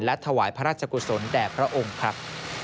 และถวายพระราชกุศลแด่พระองค์ครับ